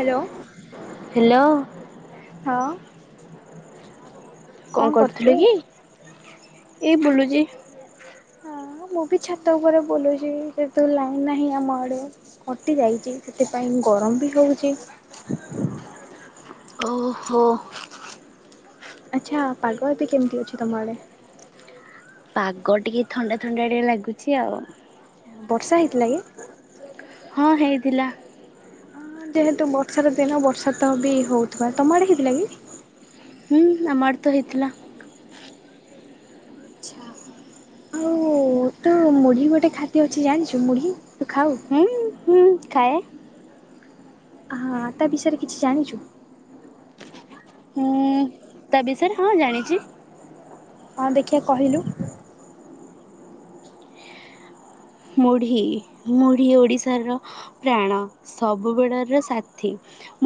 Hello. Hello. ହଁ। କଣ କରୁଥୁଲେ କି? ଏଇ ବୁଲୁଚି। ହଁ ମୁଁ ବି ଛାତ ଉପରେ ବୁଲୁଚି ଯେହେତୁ ଲାଇନ ନାହିଁ ଆମ ଆଡେ କଟି ଯାଇଚି ସେତିପାଇଁ। ଗରମ ବି ହଉଚି। ଓହୋ। ଆଚ୍ଛା ପାଗ ଏବେ କେମିତି ଅଛି ତମଆଡେ? ପାଗ ଟିକେ ଥଣ୍ଡା ଥଣ୍ଡା ଳିଆ ଲାଗୁଚି ଆଉ। ବର୍ଷା ହେଇଥିଲା କି? ହଁ ହେଇଥିଲା। ହଁ ଯେହେତୁ ବର୍ଷାର ଦିନ ବର୍ଷା ତ ବି ହଉଥିବା ତମ ଆଡ଼େ ହେଇଥିଲା କି? ହୁଁ ଆମ ଆଡ଼େ ତ ହେଇଥିଲା। ଆଚ୍ଛା ଆଉ ତୁ ମୁଢି ଗୋଟେ ଖାଦ୍ୟ ଅଛି ଜାଣିଚୁ ମୁଢି ତୁ ଖାଉ? ହୁଁ ହୁଁ ଖାଏ। ହଁ ତା ବିଷୟରେ କିଛି ଜାଣିଚୁ? ହୁଁ ତା ବିଷୟରେ ହଁ ଜାଣିଚି। ହଁ ଦେଖିଆ କହିଲୁ? ମୁଢ଼ି ମୁଢ଼ି ଓଡ଼ିଶାର ପ୍ରାଣ ସବୁବେଳର ସାଥୀ।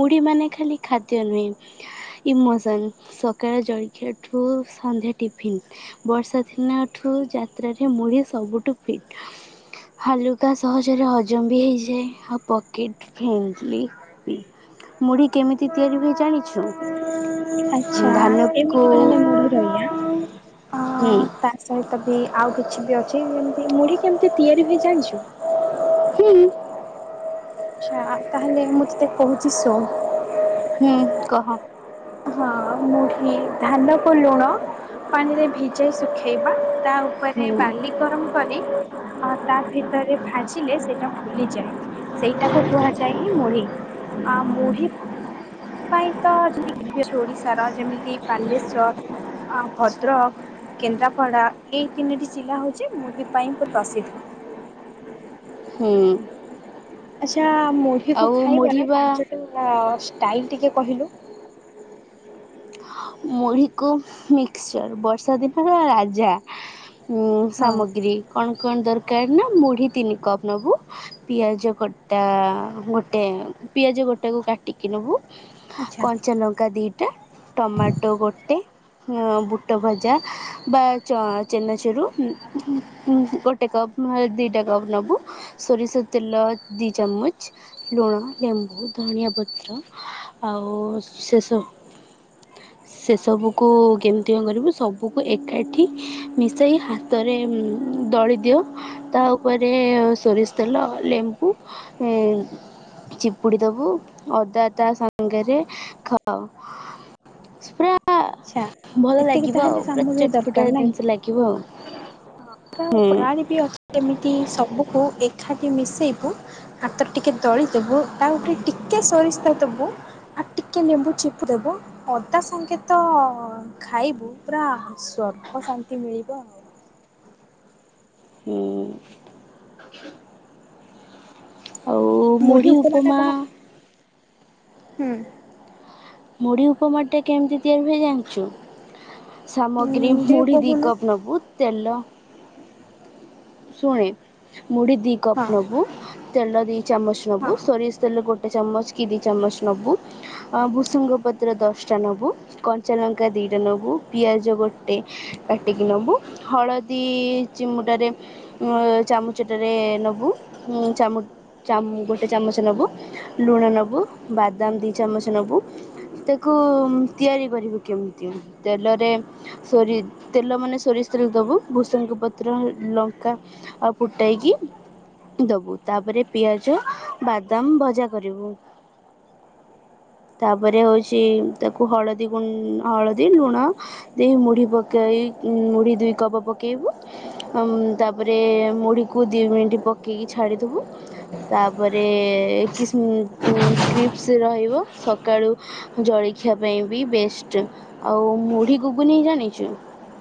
ମୁଢି ମାନେ ଖାଲି ଖାଦ୍ୟ ନୁହେଁ ଇମୋସନ ସକାଳେ ଜଳଖିଆଠୁ ସନ୍ଧ୍ୟା ଟିଫିନ୍ ବର୍ଷା ଦିନଠୁ ଯାତ୍ରାରେ ମୁଢ଼ି ସବୁଠୁ ଫିଟ୍ ହାଲୁକା ସହଜରେ ହଜମ ବି ହେଇଯାଏ ଆଉ ପକେଟ ଫ୍ରେଣ୍ଡଲି ମୁଢି କେମିତି ତିଆରି ହୁଏ ଜାଣିଛୁ ଆଚ୍ଛା ଧାନକୁ ଏମିତି ତାହେଲେ ମୁଢ଼ି ତା ହୁଁ ସହିତ ତ ବି ଆଉ କିଛି ବି ଅଛି ଯେମିତି ମୁଢି କେମତି ତିଆରି ହୁଏ ଜାଣିଛୁ ହୁ ଆଚ୍ଛା ତାହେଲେ ମୁଁ ତତେ କହୁଛି ଶୁଣ ହୁଁ କହ ହଁ ମୁଢ଼ି ଧାନକୁ ଲୁଣ ପାଣିରେ ଭିଜାଇ ଶୁଖାଇବା ତା ଉପରେ ହୁଁ ବାଲି ଗରମ କରି ହଁ ତା ଭିତରେ ଭାଜିଲେ ସେଇଟା ଫୁଲିଯାଏ ସେଇଟାକୁ କୁହାଯାଏ ହିଁ ମୁଢ଼ି ଆ ମୁଢ଼ି ତ ପାଇଁ ତ ଯଦି ୋଡି ସାର ଯେମିତି ବାଲେଶ୍ଵର ଅଁ ଭଦ୍ରକ କେନ୍ଦ୍ରାପଡ଼ା ଏଇ ତିନିଟି ଜିଲ୍ଲା ହେଉଛି ମୁଁଢୀ ପାଇଁ କି ପ୍ରସିଦ୍ଧ ହୁଁ ଆଚ୍ଛା ମୁଢିକୁୁ ଆଉ ମୁଢ଼ି ଖାଇବାର ବା ପାଞ୍ଚଟା ଷ୍ଟାଇଲ୍ ଟିକେ କହିଲୁ ମୁଢ଼ିକୁ ମିକ୍ସଚର୍ ବର୍ଷା ଦିନ ହେ ରାଜା ଉଁ ହଁ ସାମଗ୍ରୀ କଣ କଣ ଦରକାର? ନା ମୁଢି ତିନି କପ ନବୁ ପିଆଜ ଗୋଟା ଗୋଟେ ପିଆଜ ଗୋଟେ କାଟିକି ନବୁ ଆଚ୍ଛା। କଞ୍ଚା ଲଙ୍କା ଦୁଇଟା ଟମାଟୋ ଗଟେ ବୁଟ ଭଜା ବା ଚ ଚେନାଚେରୁ ଗୋଟେ କପ୍ ନୁହେଁଦୁଇଟା କପ୍ ନେବୁ ସୋରିଷ ତେଲ ଦୁଇ ଚାମଚ ଲୁଣ ଲେମ୍ବୁ ଧନିଆ ପତ୍ର ଆଉ ଶେଷ [unintelligible] ସେସବୁକୁ କେମିତି କଣ କରିବୁ ସବୁକୁ ଏକାଠି ମିଶାଇ ହାତରେ ଦଳି ଦିଅ ତା ଉପରେ ସୋରିଷ ତେଲ ଲେମ୍ବୁ ଉ ଚିପୁଡ଼ି ଦେବୁ ଅଦା ତା ସାଙ୍ଗରେ ଖାଅ ପୁରା ଆଛା ଭଲ ଏତିକି ଲାଗିବ ଆଉ ତାହେଲେ ପୁରା ସାମଗ୍ରୀ ଚଟପଟା ଦରକାର ନାଇଁ ଜିନିଷ ଲାଗିବ ଆଉ। ହଁ ହୁଁ। ପରାଣି ବି ଅଛି ଏମିତି ସବୁକୁ ଏକାଠି ମିଶେଇବୁ ହାତରେ ଟିକେ ଦଳିଦବୁ ତା ଉପରେ ଟିକେ ସୋ ପରିସ୍ ତବୁ ଆଉ ଟିକେ ଲେମ୍ବୁ ଚିପୁ ଦେବୁ ଅଦା ସାଙ୍ଗେ ତ ଖାଇବୁ ପୁରା ସ୍ୱା ସର୍କ ଶାନ୍ତି ମିଳିବ ଆଉ ହୁଁ ଆଉ ମୁଢ଼ି ଉପରଟା ଉପମା କହ ହୁଁ ମୁଢି ଉପମା ଟା କେମିତି ତିଆରି ହୁଏ ଜାଣିଛୁ ହୁଁ ସାମଗ୍ରୀ ଟିକେ ମୁଢି ଦୁଇ କହୁନୁ? କପ୍ ନେବୁ ତେଲ ଶୁଣେ ମୁଢି ଦି ହଁ। କପ୍ ନେବୁ ତେଲ ଦିଇ ଚାମଚ ନେବୁ ହଁ ସୋରିଷ ତେଲ ଗୋଟେ ଚାମଚ କି ଦି ଚାମଚ ନବୁ ଆ ବୁସ ପଦ୍ର ଦଶଟା ନେବୁ କଞ୍ଚା ଲଙ୍କା ଦୁଇଟା ନେବୁ ପିଆଜ ଗୋଟେ କାଟିକି ନେବୁ ହଳଦୀ ଚିମୁଟାରେ ଉ ଚାମଚଟାରେ ନବୁ ହୁଁ ଚାମୁ ଚାମ ଗୋଟେ ଚାମଚ ନେବୁ ଲୁଣ ନେବୁ ବାଦାମ ଦୁଇ ଚାମଚ ନେବୁ କେମିତି ତେଲରେ ସୋରି ତେଲ ମାନ ସୋରି ସୋରିଷ ତେଲ ଦେବୁ ଭୂସଙ୍ଗ ପତ୍ର ଲଙ୍କା ଆଉ ଫୁଟାଇକି ଦବୁ ତାପରେ ପିଆଜ ବାଦାମ ଭଜା କରିବୁ ତାପରେ ହେଉଛି ତାକୁ ହଳଦୀ ଗୁ ହଳଦୀ ଲୁଣ ଦେଇ ମୁଢ଼ି ପକାଇ ମୁଢ଼ି ଦୁଇ କପ ପକାଇବୁ ଉଁ ତାପରେ ମୁଢ଼ିକୁ ଦୁଇ ମିନିଟ୍ ପକାଇକି ଛାଡ଼ିଦେବୁ ତାପରେ କିମି କ୍ରିପ୍ସ ରହିବ। ସକାଳୁ ଜଳଖିଆ ପାଇଁ ବି ବେଷ୍ଟ ଆଉ ମୁଢ଼ି ଘୁଗୁନି ଜାଣିଛୁ।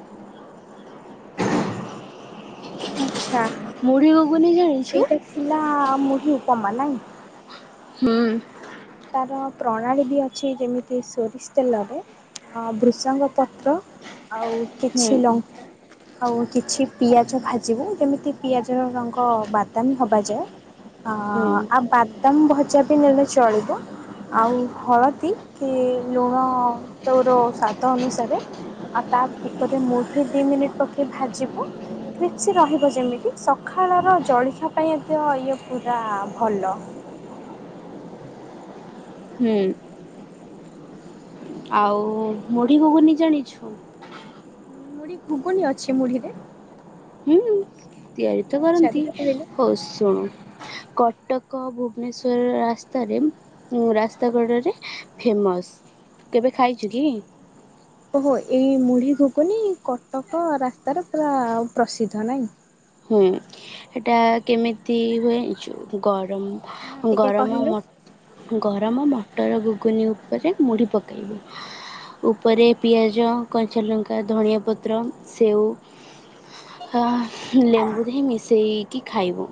[inaudible] ଆଚ୍ଛା। ମଢି ଘୁଗୁନି ଜାଣିଛୁ। ଏଇଟା ଥିଲା ମୁଢି ଉପମା ନାଇଁ। ହୁଁ। ତାର ପ୍ରଣାଳୀ ବି ଅଛି ଯେମିତି ସୋରିଷ ତେଲରେ ବୃଷଙ୍ଗ ପତ୍ର ଆଉ ହୁଁ କିଛି ଲଙ୍କା ଆଉ କିଛି ପିଆଜ ଭାଜିବୁ ଯେମିତି ଯୈମିତି ପିଆଜ ରଙ୍ଗ ବାଦାମୀ ହବା ଯାଏ। ଅ ହୁଁ ଆଉ ବାଦାମ ଭଜା ବି ନେଲେ ଚଳିବ। ଆଉ ହଳଦୀ କି ଲୁ ଓ ତୋର ସ୍ୱାଦ ଅନୁସାରେ ଆ ତା ତାପରେ ମୁଢି ଦୁଇ ମିନିଟ୍ ପକେଇ ଭାଜିବ କ୍ରିପ୍ସି ରହିବ ଯେମିତି ସକାଳର ଜ [unintelligible] ପାଇଁ ଏତ ଇଏ ପୁରା ଭଲ। ହୁଁ। ଆଉ ମୁଢ଼ି ଘୁଗୁନି ଜାଣିଛୁ। ମୁଢୀ ଘୁଗୁନୀ ଅଛି ମୁଢିରେ? ହୁଁ ତିଆରି ତ କରନ୍ତି ଟିକେ କହିଲ? ହଉ ଶୁଣ କଟକ ଏକ ଭୁବନେଶ୍ୱର ରାସ୍ତାରେ ରାସ୍ତା କଡ଼ରେ ଫେମସ୍। କେବେ ଖାଇଛୁ କି? ଓହୋ ଏଇ ମୁଢି ଘୁଗୁନି କଟକ ରାସ୍ତାରେ ପ୍ରାୟ ପ୍ରସିଦ୍ଧ ନାଈ। ହୁଁ ହେଟା କେମିତି ହୁଏ ଯୋଉ ଗ ହଁ ଗରମ ଟିକେ ଗରମ କହିଲୁ? ମ ଗରମ ମ ମଟର ଘୁଗୁନି ଉପରେ ମୁଢ଼ି ପକାଇକି। ଉପରେ ପିଆଜ କଞ୍ଚା ଲଙ୍କା ଧନିଆ ପତ୍ର ସେଉ। ହଁ ଲେମ୍ବୁ ଦେହି ମିଶେଇକି ଖାଇବୁ।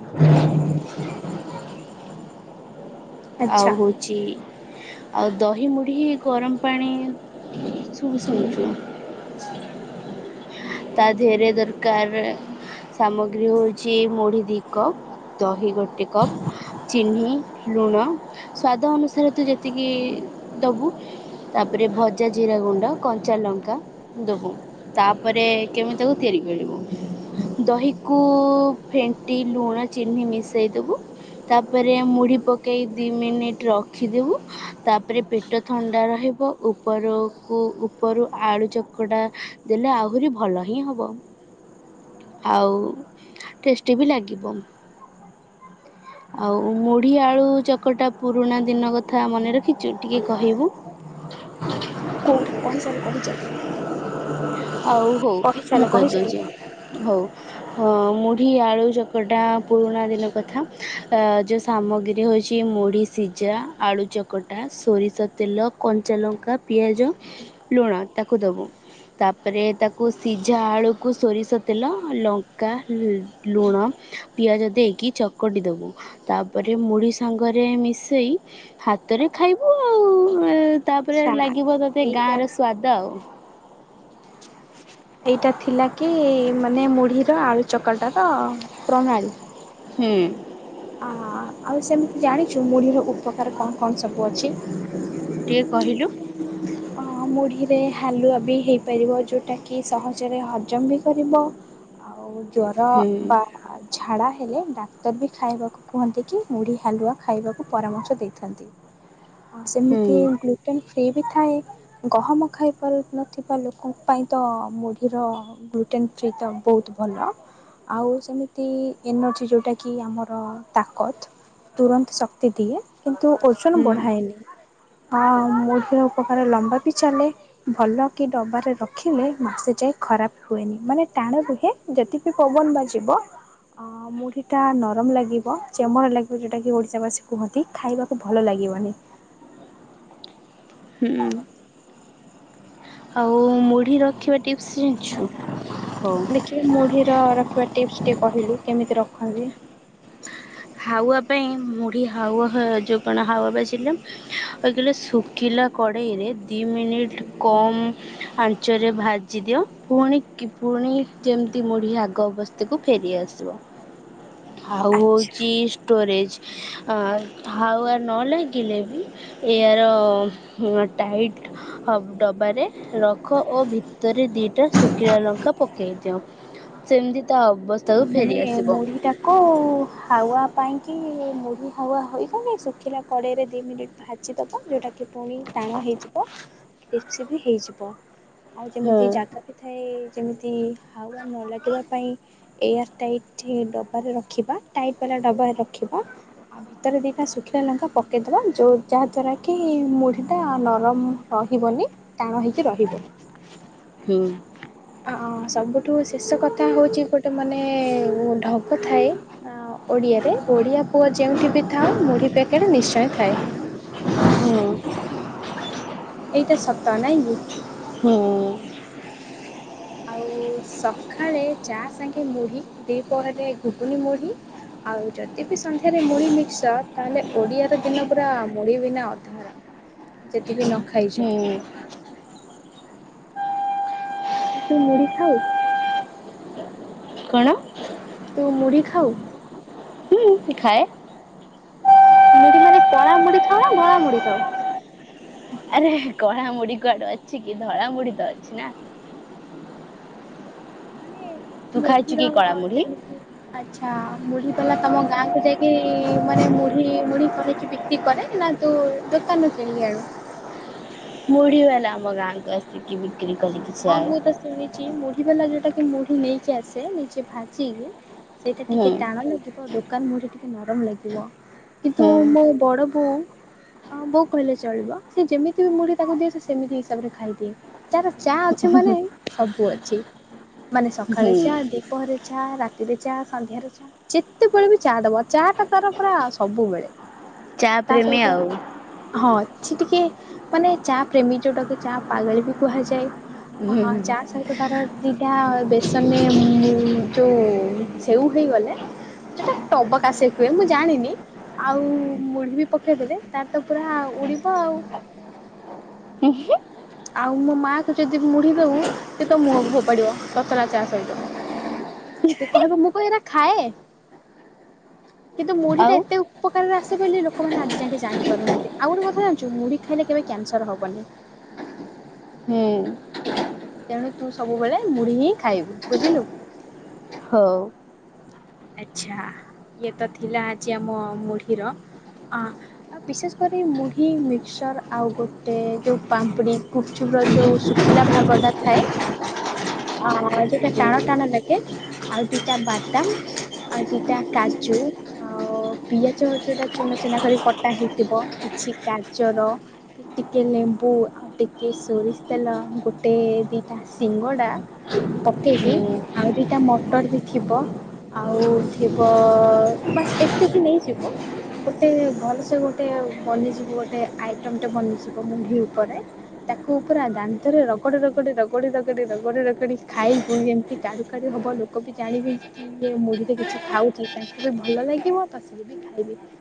ଆଉ ଆଚ୍ଛା ହଉଛି ଆଉ ଦହି ମୁଢ଼ି ଗରମ ପାଣି [unintelligible] ତା ଦେହରେ ଦର କାର ସାମଗ୍ରୀ ହେଉଛି ମୁଢ଼ି ଦୁଇ କପ୍ ଦହି ଗୋଟେ କପ୍ ଚିନି ଲୁଣ ସ୍ଵାଦ ଅନୁସାରେ ତୁ ଯେତିକି ଦବୁ। ତାପରେ ଭଜା ଜିରା ଗୁଣ୍ଡ କଞ୍ଚା ଲଙ୍କା ଦବୁ ତାପ ତାପରେ କେମିତି ତାକୁ ତିଆରି କରିବୁ। ଦହିକୁ ଫେଣ୍ଟି ଲୁଣ ଚିନି ମିଶାଇ ଦେବୁ। ତାପରେ ମୁଢି ପକେଇ ଦି ମିନିଟ ରଖିଦବୁ ତାପରେ ପେଟ ଥଣ୍ଡା ରହି ଉପ ଉପରକୁ ଉପରୁ ଆଳୁ ଚକଟା ଦେଲେ ଆ ଆହୁରି ଭଲ ହିଁ ହେବ। ଆଉ ଟେଷ୍ଟି ବି ଲାଗିବ। ଆଉ ମୁଢ଼ି ଆଳୁ ଚକଟା ପୁରୁଣା ଦିନ କଥା ମନେ ରଖିଛୁ ଟିକେ କହିବୁ। [inaudible] ଆଉ ହଉ କହିଚାଲ ମୁଁ କହିଚାଲ କହିଦଉଛି ହଉ। ହଁ ମୁଢ଼ିଆଳୁ ଚକଟା ପୁରୁଣା ଦିନ କଥା ତା ଯେଉଁ ସାମଗ୍ରୀ ହଉଛି ମୁଢ଼ିସିଝା ଆଳୁଚକଟା ସୋରିଷତେଲ କଞ୍ଚାଲଙ୍କା ପିଆଜ। ଲୁଣ ତାକୁ ଦବୁ। ତାପରେ ତାକୁ ସିଝାଆଳୁକୁ ସୋରିଷତେଲ ଲଙ୍କା ଲୁଣ। ପିଆଜ ଦେଇକି ଚକଟି ଦବୁ ତାପରେ ମୁଢି ସାଙ୍ଗରେ ମିଶେଇ ହାତରେ ରେ ଖାଇବୁ ଆଉ ତାପରେ ଆଚ୍ଛା ଲାଗିବ ତତେ ଏଇଟା ଗାଁର ସ୍ଵାଦ ଆଉ। ଏଇଟା ଥିଲାକି ମାନେ ମୁଢିର ଆଳୁ ଚକଟାର ପ୍ରଣାଳୀ। ହୁଁ। ଆ ଆଉ ସେମିତି ଜାଣିଛୁ ମୁଢ଼ିର ଉପକାର କଣ କଣ ସବୁ ଅଛି? ଟିକେ କହିଲୁ। ମୁଢ଼ିରେ ହାଲୁଆ ବି ହେଇପାରିବ। ଯଉଁଟାକି ସହଜରେ ହଜମ ବି କରିବ। ଆଉ ଜର ହୁଁ ବା ଝାଡା ହେଲେ ଡାକ୍ତର ବି ଖାଇବାକୁ କୁହନ୍ତିକି ମୁୁଢ଼ି ହାଲୁଆ ଖାଇବାକୁ ପରାମର୍ଶ ଦେଇଥାନ୍ତି। ଆଉ ହୁଁ ସେମିତି ଗ୍ଲୁଟେନ୍ ଫ୍ରି ବି ଥାଏ। ଗହମ ଖାଇପାରୁନଥିବା ଲୋକଙ୍କ ପାଇଁ ତ ମୁଢ଼ିର ଗ୍ଲୁଟେନ୍ ଫ୍ରି ତ ବହୁତ ଭଲ। ଭଲ ଆଉ ସେମିତି ଏନର୍ଜି ଯଉଁଟାକି ଆମର ତାକତ ତୁରନ୍ତ ଶକ୍ତି ଦିଏ। କିନ୍ତୁ ଓଜନ ହୁଁ ବଢାଏନି। ଆ ମୁଢ଼ି ର ଉପକାର ଲମ୍ବା ବି ଚାଲେ ଭଲ କି ଡବାରେ ରଖିଲେ ମାସେ ଯାଏ ଖରାପ ହୁଏନି। ମାନେ ଟାଣ ରୁହେ। ଯେତିକି ପବନ ବାଜିବ ଅ ମୁଢି ଟା ନରମ ଲାଗିବ ଚେମର ଲାଗିବ ଯୋଉଟା କି ଓଡିଶାବାସୀ କୁହନ୍ତି ଖାଇବାକୁ ଭଲ ଲାଗିବ ଇବନି। ହୁଁ। ଆଉ ମୁଢି ରଖିବା ଟିପ୍ସ ଜାଣିଛୁ? ହଉ। ଦେଖିବା ମୁଢିର ରଖିବା ଟିପ୍ସ ଟିକେ କହିଲୁ। କେମିତି ରଖନ୍ତି? ହାୱା ପାଇଁ ମୁଢ଼ି ହାୱା ଯେଉଁ କଣ ହାୱା ବାଜିଲେ ଯେତେବଳେ ଶୁ ଖିଲା କଡ଼େଇରେ ଦୁଇ ମିନିଟ୍ କମ୍ ଆଞ୍ଚରେ ଭାଜିଦିଅ ପୁଣି କି ପୁଣି ଯେମିତି ମୁଢ଼ି ଆଗ ଅବସ୍ଥାକୁ ଫେରିଆସିବ। [inaudible] ଆଉ ଆଚ୍ଛା। ହଉଛି ଷ୍ଟୋରେଜ୍ ହାୱା ନ ଲାଗିଲେ ବି ଏୟାର ଟାଇଟ୍ ଡବାରେ ରଖ ଓ ଭିତରେ ଦିଟା ସୁ ଶୁଖିଲାଲଙ୍କା ପକେଇ ଦିଅ। ସେମିତି ତା ଅବସ୍ଥା ମାନେ ମୁଢିଟାକୁ ହାୱା ପାଇଁ କି ମୁଢି ହାୱା ହୋଇବନି ଶୁଖିଲା କଡେଇରେ ଦି ମିନିଟ୍ ଭାଜି ଦବା ଯଉଟାକି କି ପୁଣି ଟାଣ ହେଇଯିବ କ୍ରିସ୍ପି ବି ହେଇଯିବ। ଆଉ ହୁଁ ଯେମିତି ଜାଗା ବି ଥାଏ ଯେମିତି ହାୱା ନ ଲାଗିଲା ପାଇଁ ଏୟାର ଟାଇଟ୍ ଡବାରେ ରଖିବା ଟାଇଟ୍ ବାଲା ଡବାରେ ରଖିବା। ଆଉ ଭିତରେ ଦିଟା ଶୁଖିଲା ଲଙ୍କା ପକେଇଦବା ଯୋଉ ଯାହା ଦ୍ଵାରା କି ମୁଢି ଟା ନରମ ହ ରହିବନି ଟାଣ ହେଇକି ରହିବ। ହୁଁ ଅ ସବୁଠୁ ଶେଷ କଥା ହଉଛି ଗୋଟେ ମାନେ ଢଗ ଥାଏ ଆଁ ଓଡ଼ିଆରେ ଓଡ଼ିଆ ପୁଅ ଯେଉଁଠି ବି ଥାଉ ମୁଢ଼ି ପ୍ୟାକେଟ ନିଶ୍ଚୟ ଥାଏ। ହୁଁ। ଏଇଟା ସତ ନାଇଁକି। ହୁଁ ଆଉ ସକାଳେ ଚା ସାଙ୍ଗେ ମୁଢି ଦିପହରେ ଘୁଗୁନୀ ମୁଢି ଆଉ ଯଦି ବି ସନ୍ଧ୍ୟାରେ ମୁଢି ମିକ୍ସଚର ତାହେଲେ ଓଡିଆର ଦିନ ପୁରା ମୁଢ଼ି ବିନା ଅଧୁରା। ଯେତିକି ନ ଖାଇଛ। ହୁଁ। ଆଚ୍ଛା ତୁ ମୁଢ଼ି ଖାଉ? କଣ? ତୁ ମୁଢ଼ି ଖାଉ? ହୁଁ ଖାଏ। ମୁଢ଼ି ମାନେ କଳା ମୁଢ଼ି ଖାଉ ନା ଧଳା ମୁଢ଼ି ଖାଉ? ଆରେ କଳା ମୁଢ଼ି କୁଆଡ଼େ ଅଛି କି ଧଳା ମୁଢ଼ି ତ ଅଛି ନା। ତୁ ମୁଢ଼ି ଖାଇଛୁ କି ରଙ୍ଗ କଳା ମୁଢ଼ି ସେମିତି ଆଚ୍ଛା ମୁଢ଼ି ବାଲା ତମ ଗାଁକୁ ଯାଇକି ମାନେ ମୁଢ଼ି ମୁଢ଼ି କରିକି ବିକ୍ରି କରେ ନା ତୁ ଦୋକାନରୁ କିଣିକି ଆଣୁ। ମୁଢ଼ି ବାଲା ଆମ ଗାଁକୁ ଆସେ। ହଁ ମୁଁ ତ ଶୁଣିଛି ମୁଢ଼ି ବାଲା ଯୋଉଠି ମୁଢ଼ି ନେଇକି ଆସେ ନିଜେ ଭାଜିକି ସେଇଟା ହୁଁ ଟିକେ ଟାଣ ଲାଗିବ ଦୋକାନ ମୁଢ଼ି ଟି ନରମ ଲାଗିବ କିନ୍ତୁ ହୁଁ ମୋ ବଡ଼ ବୋଉ ଅ ବୋଉ କହିଲେ ଚଳିବ ସେ ଯେମିତି ବି ମୁଢ଼ି ତାକୁ ଦିଅ ସେ ସେମିତି ହିସାବରେ ଖାଇଦିଏ। ତାର ଚା ଅଛି ମାନେ ସବୁ ଅଛି ମାନେ ସକାଳେ ହୁଁ ଚାହା, ଦୀପହରେ ଚାହା ରା ଚାହା, ସନ୍ଧ୍ୟାରେ ଚାହା ଯେତେବେଳେ ବି ଚାହା ଦବ ଚାହା ଟା ତାର ପୁରା ସବୁବେଳେ ଚା ତା ପ୍ରେମୀ ସହିତ ଆଉ ହଁ ସେ ଟିକେ ମାନେ ଚାହା ପ୍ରେମୀ ଯୋଉଟାକୁ ଚାହା ପାଗେଳି ବି କୁହାଯାଏ। ହୁଁ ଚାହା ସହିତ ତାର ଦିଟା ବେସନରେ ଯୋଉ ସେଉ ହେଇଗଲେ ସେଇଟା ଟବକା ସେଉ କୁହେ, ମୁଁ ଜାଣିନି ଆଉ ମୁଢ଼ି ବି ପକେଇଦେଲେ ତାର ତ ପୁରା ଉଡ଼ିବ ଆଉ। ଉଁ- ହୁଁ। ଆଉ ମୋ ମାଆକୁ ଯଦି ମୁଢ଼ି ଦବୁ। ସେ ତ ମୁହଁକୁ ଫୋପାଡିବ ତତଲା ଚା ସହିତ ସେ କହିବ ମୁଁ କଣ ଏରା ଖାଏ। କିନ୍ତୁ ଆଉ ମୁଢ଼ିଟା ଏତେ ଉପକାରରେ ଆସ ଲୋକମାନେ ଆଜି ଯାଙ୍କେ ଜାଣିପାରୁନାହାନ୍ତି ଆଉ ଗୋଟେ କଥା ଜାଣିଛୁ ମୁଢ଼ି ଖାଇଲେ କେବେ କ୍ୟାନସର ହବନି। ହୁଁ। ତେଣୁ ତୁ ସବୁବେଳେ ମୁଢ଼ି ହିଁ ଖାଇବୁ ବୁଝିଲୁ। ହଉ। ଆଚ୍ଛା ଇଏ ତ ଥିଲା ଆଜି ଆମ ମୁଢ଼ିର ଅ ଆଉ ବିଶେଷ କରି ମୁଢ଼ି ମିକ୍ସର ଆଉ ଗୋଟେ ଯୋଉ ପାମ୍ପଡି ଗୁପଚୁପ୍ ର ଯୋଉ ଶୁଖିଲା ଭାଗଟା ଥାଏ ଆ ଆ ଯୋଉଟା ହୁଁ ଟାଣ ଟାଣ ଲାଗେ ଆଉ ଦିଟା ବାଦାମ ଆଉ ଦି ଟା କାଜୁ ଆଉ ପିଆଜ ଯୋଉଟା ଚୁନା ଚୁନା କରି କଟା ହେଇଥିବ କିଛି ଗାଜର ଟିକେ ଲେମ୍ବୁ ଆଉ ଟିକେ ସୋରିଷ ତେଲ ଗୋଟେ ଦିଇଟା ସିଙ୍ଗଡ଼ା ପକେଇବି ହୁଁ ଆଉ ଦିଟା ମଟର ବି ଥିବ ଆଉ ଥିବ ବାସ୍ ଏତିକି ନେଇଯିବୁ ଗୋଟେ ଭଲସେ ଗୋଟେ ବନିଯିବ ଗୋଟେ ଆଇଟମ ଟେ ବନିଯିବ ମୁଭି ଉପରେ ତାକୁ ପୁରା ଦାନ୍ତରେ ରଗଡ଼ି ରଗଡ଼ି-ରଗଡ଼ି-ରଗଡ଼ି-ରଗଡ଼ି- ରଗଡ଼ି - ରଗଡ଼ି ଖାଇବୁ ଯେମିତି କାଡୁ କାଡୁ ହବ ଲୋକ ବି ଜାଣିବେ କି ଇଏ ମୁଢ଼ି଼ରେ କିଛି ଖାଉଛି ତାଙ୍କୁ ବି ଭଲ ଲାଗିବ ତ ସିଏ ବି ଖାଇବେ।